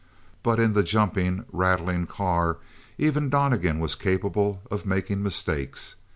But in the jumping, rattling car even Donnegan was capable of making mistakes.